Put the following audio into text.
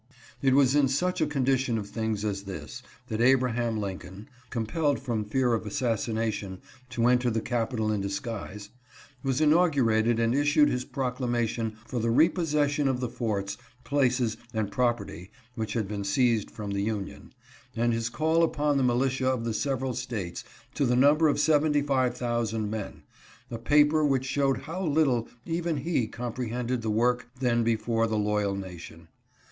It was in such a condition of things as this that Abraham Lincoln (compelled from fear of assassination to enter the capital in disguise) was inau gurated and issued his proclamation for the ' repossession of the forts, places, and property which had been seized from the Union,' and his call upon the miltia of the several States to the number of 75,000 men — a paper which showed how little even he comprehended the work then before the loyal nation.